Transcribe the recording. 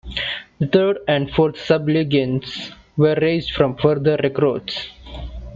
The Third and Fourth Sub-Legions were raised from further recruits.